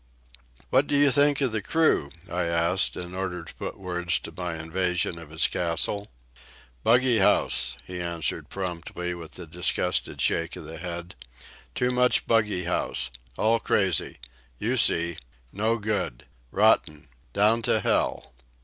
"What do you think of the crew?" I asked, in order to put words to my invasion of his castle. "Buggy house," he answered promptly, with a disgusted shake of the head. "Too much buggy house. All crazy. You see. No good. Rotten. Down to hell."